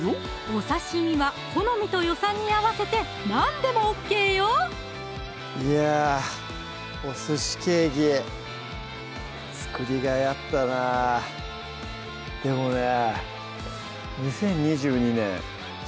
お刺身は好みと予算に合わせてなんでもＯＫよいや「お寿司ケーキ」作りがいあったなでもね